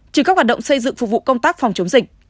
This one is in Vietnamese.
trừ các hoạt động xây dựng phục vụ công tác phòng chống dịch